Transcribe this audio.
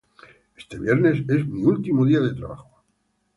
Este viernes es mi último día de trabajo.